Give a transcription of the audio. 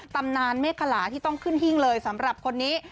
ตำนานเมฆขลาที่ต้องขึ้นหิ้งเลยสำหรับคนนี้